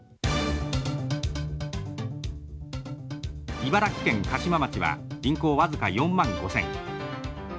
茨城県鹿島町は人口僅か４万５，０００。